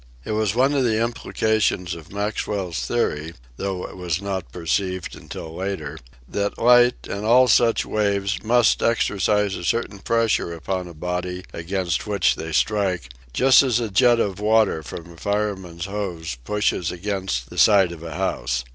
It was one of the implications of Maxwell's theory, though it was not perceived until later, that light and all such waves must exercise a certain pres sure upon a body against which they strike, just as a jet of water from a fireman's hose pushes against the side of a house.